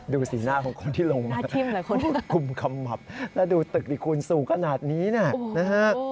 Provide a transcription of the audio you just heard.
ดูสิหน้าของคนที่ลงมาคุมขมับและดูตึกที่คุณสูงขนาดนี้นะฮะนะฮะ